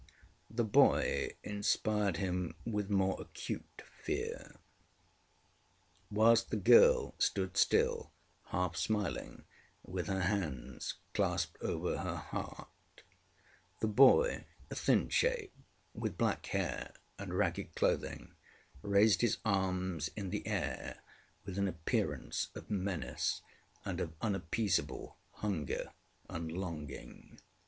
The boy inspired him with more acute fear. Whilst the girl stood still, half smiling, with her hands clasped over her heart, the boy, a thin shape, with black hair and ragged clothing, raised his arms in the air with an appearance of menace and of unappeasable hunger and longing.